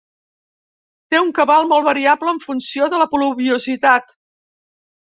Té un cabal molt variable en funció de la pluviositat.